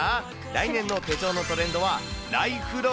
来年の手帳のトレンドは、ライフ何？